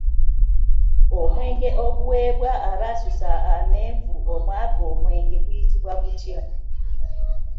Omwenge oguweebwa abaasusa amenvu omwava omwenge guyitibwa gutya?